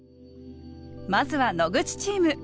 まずは野口チーム。